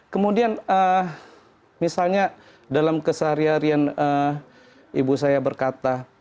kemudian misalnya dalam kesaharian ibu saya berkata